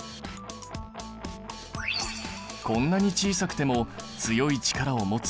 こんなに小さくても強い力を持つ